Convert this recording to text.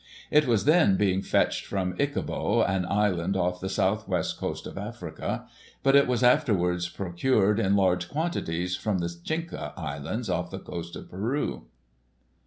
It was then being fetched from Ichaboe, an island off the so\ith west coast of Africa — but it was afterwards procured in large quantities from the Chincha Islands, off the coast of Peru.